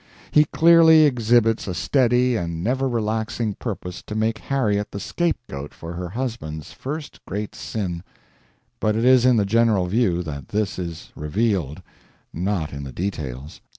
He clearly exhibits a steady and never relaxing purpose to make Harriet the scapegoat for her husband's first great sin but it is in the general view that this is revealed, not in the details.